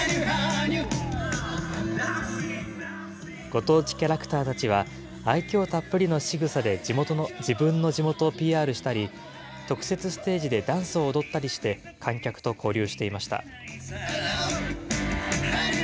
ご当地キャラクターたちは愛きょうたっぷりのしぐさで自分の地元をＰＲしたり、特設ステージでダンスを踊ったりして、観客と交流していました。